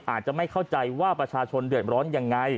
อาจจะไม่เข้าใจว่าประชาชนเดือดร้อนยังไง